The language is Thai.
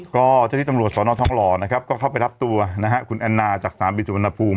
ก็เจ้าที่ตำรวจสอนอทองหล่อนะครับก็เข้าไปรับตัวนะฮะคุณแอนนาจากสนามบินสุวรรณภูมิ